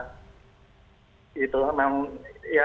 itu memang ya